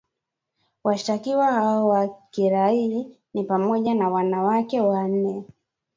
Washtakiwa hao wa kiraiaa ni pamoja na wanawake wane